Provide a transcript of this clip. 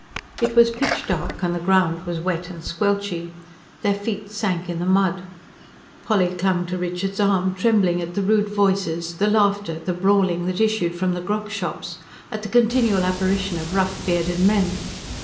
It was pitch dark, and the ground was wet and squelchy. Their feet sank in the mud. Polly clung to Richard's arm, trembling at the rude voices, the laughter, the brawling, that issued from the grog shops; at the continual apparition of rough, bearded men.